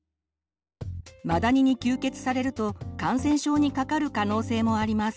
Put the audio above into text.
マダニに吸血されると感染症にかかる可能性もあります。